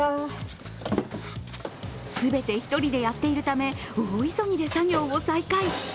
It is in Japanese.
全て１人でやっているため、大急ぎで作業を再開。